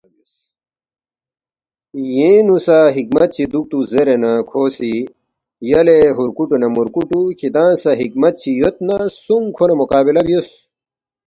یینگ نُو سہ حکمت چی دُوکتُوک زیرے نہ کھو سی، یلے ہُورکُوٹُو نہ مُورکُوٹُو کِھدانگ سہ حکمت چی یود نہ سونگ کھو نہ مقابلہ بیوس